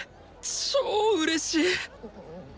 超うれしい！